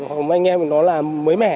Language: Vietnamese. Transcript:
hoặc anh em nó là mới mẻ